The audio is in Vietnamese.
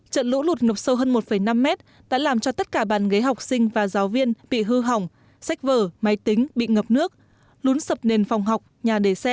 trận lũ lụt ngập sâu hơn một năm mét đã làm cho tất cả bàn ghế học sinh và giáo viên bị hư hỏng sách vở máy tính bị ngập nước lún sập nền phòng học nhà đề xe